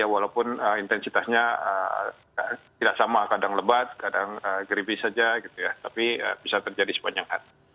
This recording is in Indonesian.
walaupun intensitasnya tidak sama kadang lebat kadang geribis saja tapi bisa terjadi sepanjang hari